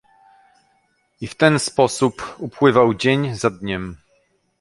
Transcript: "I w ten sposób upływał dzień za dniem."